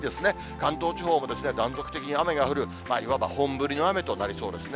関東地方も断続的に雨が降る、いわば本降りの雨となりそうですね。